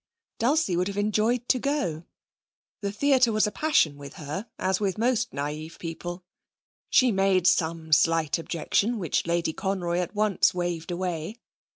Dulcie would have enjoyed to go. The theatre was a passion with her, as with most naïve people. She made some slight objection which Lady Conroy at once waved away.